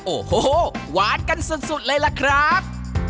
โอ้โหหวานกันสุดเลยล่ะครับ